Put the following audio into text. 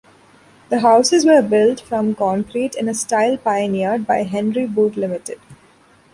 The houses were built from concrete in a style pioneered by Henry Boot Limited.